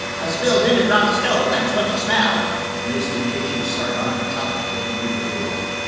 I spilled vinegar on the stove; that's what you smell." Miss Letitia's sardonic chuckle came through the door.